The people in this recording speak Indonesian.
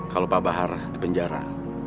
kalau pak bahar dipenjara